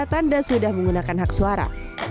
tanda sudah menggunakan hak suara